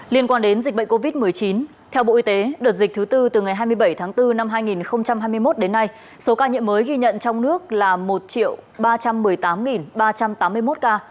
liên quan đến dịch bệnh covid một mươi chín theo bộ y tế đợt dịch thứ tư từ ngày hai mươi bảy tháng bốn năm hai nghìn hai mươi một đến nay số ca nhiễm mới ghi nhận trong nước là một ba trăm một mươi tám ba trăm tám mươi một ca